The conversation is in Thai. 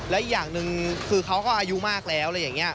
และอีกอย่างหนึ่งคือเขาก็อายุมากแล้วอะไรอย่างนี้